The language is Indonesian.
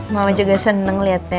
mama juga seneng liatnya